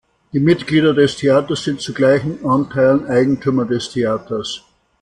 Die Mitglieder des Theaters sind zu gleichen Anteilen Eigentümer des Theaters.